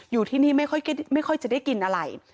อยู่ที่นี่ไม่ค่อยจะได้กินอะไร